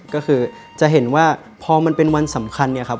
ก็คือจะเห็นว่าพอมันเป็นวันสำคัญเนี่ยครับ